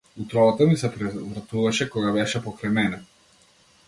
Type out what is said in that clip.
Утробата ми се превртуваше кога беше покрај мене.